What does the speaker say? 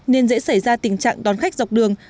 nên dễ xảy ra tình trạng đón khách dọc đường